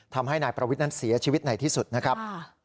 ทำให้นายประวิทย์นั้นเสียชีวิตในที่สุดนะครับ